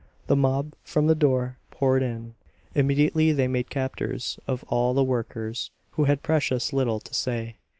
The mob from the door poured in. Immediately they made captors of all the workers, who had precious little to say.